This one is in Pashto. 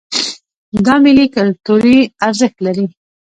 دا میلې کلتوري ارزښت لري.